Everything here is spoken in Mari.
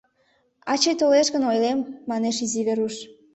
Ачый толеш гын, ойлем, — манеш изи Веруш.